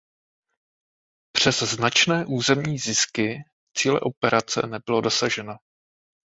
Přes značné územní zisky cíle operace nebylo dosaženo.